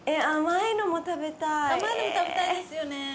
甘いのも食べたいですよね。